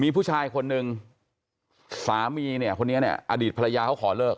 มีผู้ชายคนนึงสามีเนี่ยคนนี้เนี่ยอดีตภรรยาเขาขอเลิก